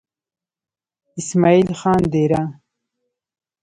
اسمعيل خان ديره